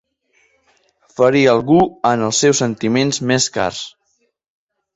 Ferir algú en els seus sentiments més cars.